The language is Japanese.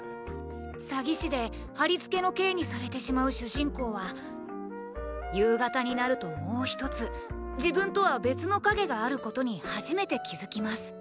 詐欺師ではりつけの刑にされてしまう主人公は夕方になるともう一つ自分とは別の影があることに初めて気付きます。